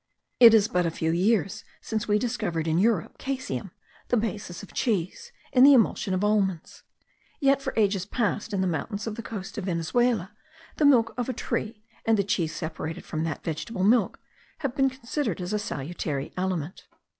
It is but a few years since we discovered, in Europe, caseum, the basis of cheese, in the emulsion of almonds; yet for ages past, in the mountains of the coast of Venezuela, the milk of a tree, and the cheese separated from that vegetable milk, have been considered as a salutary aliment.